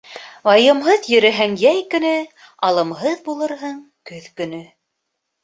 Вайымһыҙ йөрөһәң йәй көнө, алымһыҙ булырһың көҙ көнө.